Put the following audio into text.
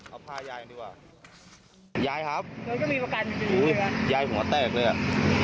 เอาผ้ายายกันดีกว่ายายครับโอ้ยยายหัวแตกเลยอ่ะ